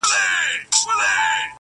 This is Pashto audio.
هغه به دروند ساتي چي څوک یې په عزت کوي